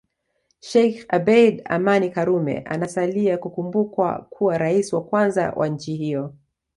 Sheikh Abeid Amani Karume anasalia kukumbukwa kuwa rais wa kwanza wa nchi hiyo